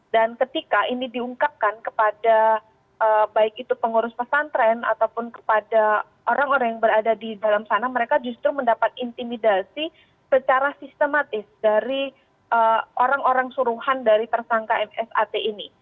dan ketika ini diungkapkan kepada baik itu pengurus pesantren ataupun kepada orang orang yang berada di dalam sana mereka justru mendapat intimidasi secara sistematis dari orang orang suruhan dari tersangka msat ini